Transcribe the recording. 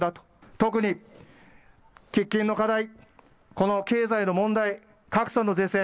特に喫緊の課題、この経済の問題、格差の是正。